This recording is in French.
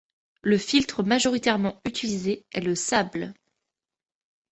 Le filtre majoritairement utilisé est le sable.